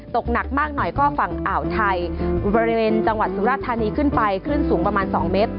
ตกหนักมากหน่อยก็ฝั่งอ่าวไทยบริเวณจังหวัดสุรธานีขึ้นไปคลื่นสูงประมาณ๒เมตร